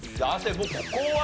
もうここは。